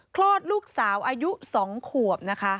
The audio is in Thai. คลอดลูกสาวอายุ๒ขวบนะคะ